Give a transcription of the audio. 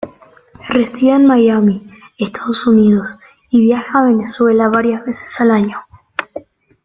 Reside en Miami, Estados Unidos y viaja a Venezuela varias veces al año.